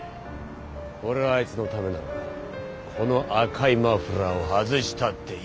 俺はあいつのためならこの赤いマフラーを外したっていい。